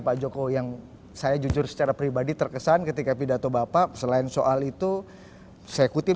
pak jokowi yang saya jujur secara pribadi terkesan ketika pidato bapak selain soal itu saya kutip